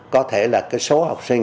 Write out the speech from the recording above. có thể là cái số học sinh